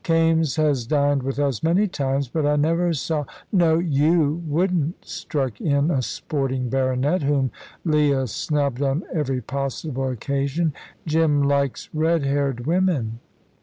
"Kaimes has dined with us many times, but I never saw " "No; you wouldn't," struck in a sporting baronet, whom Leah snubbed on every possible occasion. "Jim likes red haired women."